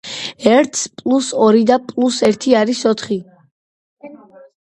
ერთს პლუს ორი და პლუს ერთი არის ოთხი.